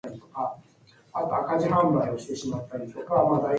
No international troops were killed or injured in the incident.